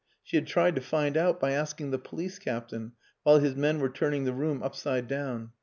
She had tried to find out by asking the police captain while his men were turning the room upside down.